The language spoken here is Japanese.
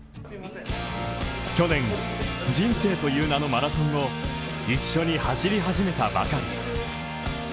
去年、人生という名のマラソンを一緒に走り始めたばかり。